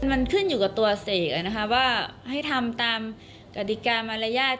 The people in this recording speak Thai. มันขึ้นอยู่กับตัวเสกว่าให้ทำตามกฎิกามารยาท